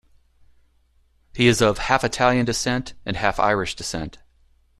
He is of half Italian descent and half Irish descent.